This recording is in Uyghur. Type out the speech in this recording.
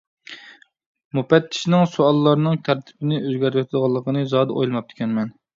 مۇپەتتىشنىڭ سوئاللارنىڭ تەرتىپىنى ئۆزگەرتىۋېتىدىغانلىقىنى زادى ئويلىماپتىكەنمەن.